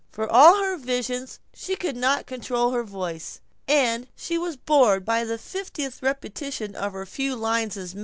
For all her visions she could not control her voice, and she was bored by the fiftieth repetition of her few lines as maid.